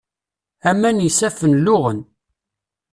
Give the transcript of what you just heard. Aman n yisaffen luɣen.